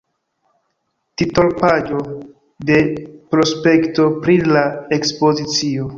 Titolpaĝo de prospekto pri la ekspozicio.